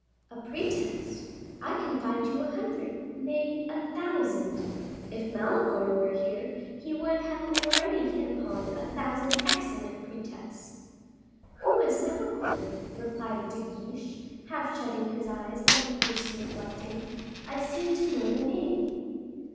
"A pretext; I can find you a hundred, nay, a thousand. If Malicorne were here, he would have already hit upon a thousand excellent pretexts." "Who is Malicorne?" replied De Guiche, half shutting his eyes, like a person reflecting, "I seem to know the name."